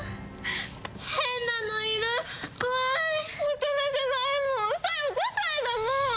「変なのいる怖い」「大人じゃないもん小夜５歳だもん」